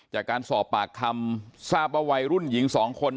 จากการสอบปากคำทราบว่าวัยรุ่นหญิง๒คน